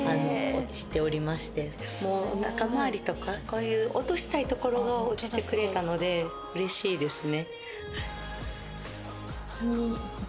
おなか回りとかこういう落としたいところが落ちてくれたのでうれしいですね。